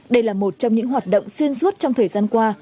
đây là một trong những hoạt động xuyên suốt trong thời gian qua